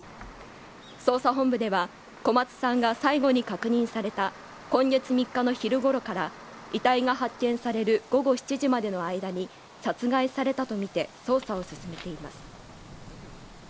捜査本部では小松さんが最後に確認された今月３日の昼ごろから遺体が発見される午後７時までの間に殺害されたとみて捜査を進めています